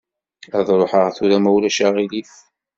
Ad ṛuḥeɣ tura ma ulac uɣilif.